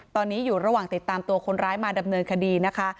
ตอนนี้อยู่ระหว่างติดตามตัวคนร้ายมาดำเนินคดีนะคะ